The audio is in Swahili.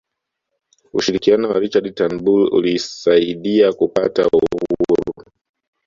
ushirikiano wa richard turnbull ulisaidia kupata uhuru